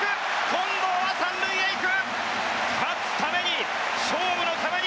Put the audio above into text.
近藤は３塁へ行く！